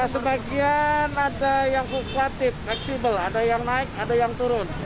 sebagian ada yang fluktuatif fleksibel ada yang naik ada yang turun